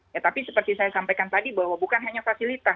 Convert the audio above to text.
ya tapi seperti saya sampaikan tadi bahwa bukan hanya fasilitas